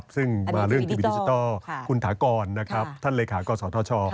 ซึ่งมาเรื่องทีวีดิจิทัลคุณถากรท่านเลขากศธช